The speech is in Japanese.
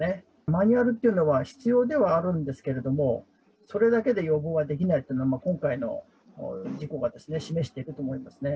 マニュアルというのは、必要ではあるんですけれども、それだけで予防はできないっていうのは、今回の事故が示していると思いますね。